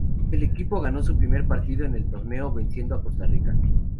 El equipo ganó su primer partido en el torneo, venciendo a Costa Rica.